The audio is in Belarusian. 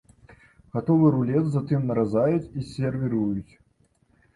Гатовы рулет затым наразаюць і сервіруюць.